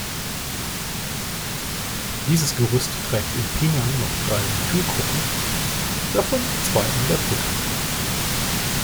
Dieses Gerüst trägt im Pinan noch drei Methylgruppen, davon zwei an der „Brücke“.